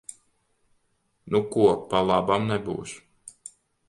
Nu ko, pa labam nebūs.